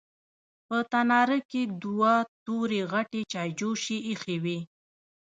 په تناره کې دوه تورې غټې چايجوشې ايښې وې.